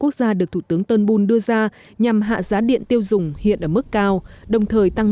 quốc gia được thủ tướng turnbul đưa ra nhằm hạ giá điện tiêu dùng hiện ở mức cao đồng thời tăng